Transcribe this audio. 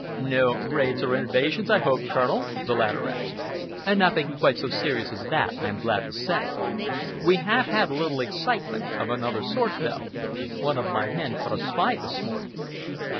"No raids or invasions, I hope, Colonel?" the latter asked. "Nothing quite so serious as that, I am glad to say. We have had a little excitement of another sort, though. One of my men caught a spy this morning."